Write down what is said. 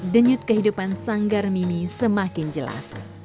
denyut kehidupan sanggar mimi semakin jelas